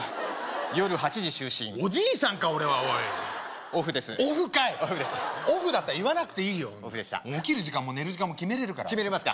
夜８時就寝おじいさんか俺はおいオフですオフかい言わなくていいよ起きる時間も寝る時間も決めれるから決めれますか？